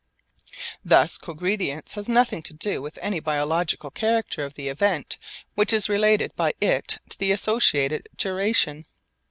Thus cogredience has nothing to do with any biological character of the event which is related by it to the associated duration.